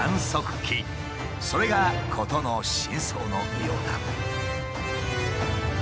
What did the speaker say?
それが事の真相のようだ。